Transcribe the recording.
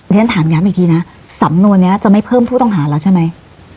เรียนถามย้ำอีกทีนะสำนวนนี้จะไม่เพิ่มผู้ต้องหาแล้วใช่ไหม